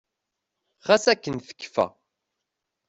Ɣas akken tekkfa.